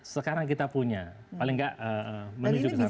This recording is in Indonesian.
sekarang kita punya paling nggak menuju ke mana mana